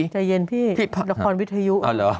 ใจเย็นพี่ละครวิทยุ